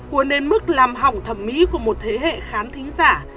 cuốn đến mức làm hỏng thẩm mỹ của một thế hệ khán thính giả